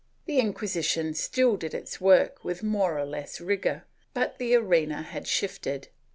The Inquisition still did its work with more or less rigor, but the arena had shifted.